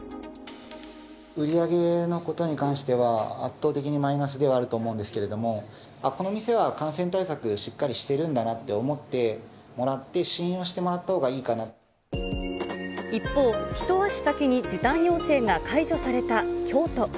売り上げのことに関しては、圧倒的にマイナスではあると思うんですけれど、この店は感染対策、しっかりしてるんだなって思ってもらって、信用してもらった方が一方、一足先に時短要請が解除された京都。